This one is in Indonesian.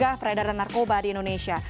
mencegah peredaran narkoba di indonesia